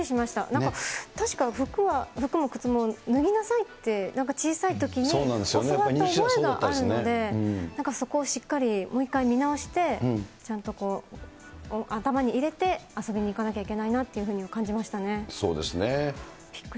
なんか、確か服も靴も脱ぎなさいって、なんか小さいときに教わった覚えがあるので、なんかそこをしっかり、もう一回見直して、ちゃんと頭に入れて、遊びに行かなきゃいけないなというふうに感そうですね。